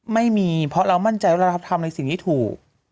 ไม่มีเพราะเรามั่นใจว่าเราทำในสิ่งที่ถูก